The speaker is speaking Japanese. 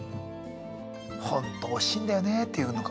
「本当おしんだよね」って言うのか。